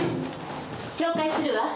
紹介するわ。